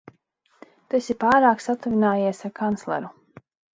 Tu esi pārāk satuvinājies ar kancleru.